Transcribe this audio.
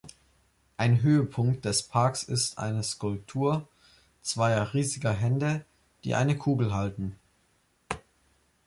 Ein Höhepunkt des Parks ist eine Skulptur zweier riesiger Hände, die eine Kugel halten.